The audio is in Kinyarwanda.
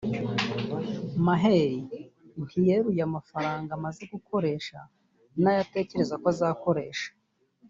Maher ntiyeruye amafaranga amaze gukoresha n’ayo atekereza ko azakoresha